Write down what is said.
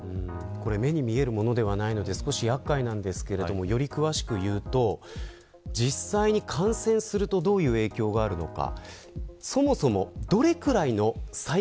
目に見えるものではないので少し厄介なんですけれどもより詳しく言うと実際に感染するとどういう影響があるのか。